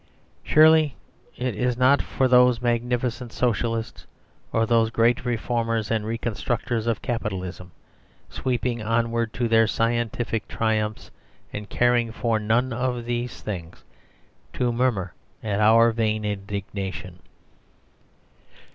Surely it is not for those magnificent Socialists, or those great reformers and reconstructors of Capitalism, sweeping onward to their scientific triumphs and caring for none of these things, to murmur at our vain indignation.